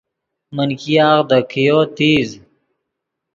من ګیاغ دے کئیو تیز